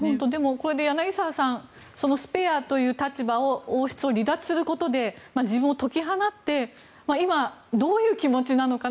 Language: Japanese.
柳澤さんスペアという立場を王室を離脱することで自分を解き放って今、どういう気持ちなのか。